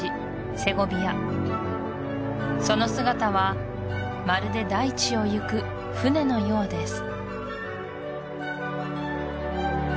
セゴビアその姿はまるで大地を行く船のようです